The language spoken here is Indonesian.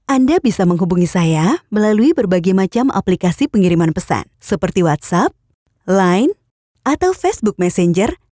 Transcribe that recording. anda bisa menghubungi saya melalui berbagai macam aplikasi pengiriman pesan seperti whatsapp line atau facebook messenger